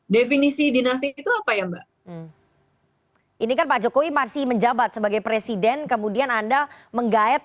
definisi dinasti itu apa ya mbak ini kan pak jokowi masih menjabat sebagai presiden kemudian anda menggayat